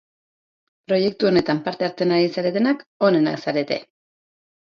Proiektu honetan parte hartzen ari zaretenak onenak zarete!